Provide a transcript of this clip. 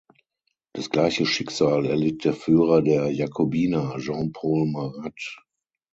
Das gleiche Schicksal erlitt der Führer der Jakobiner Jean-Paul Marat.